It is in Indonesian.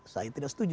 saya tidak setuju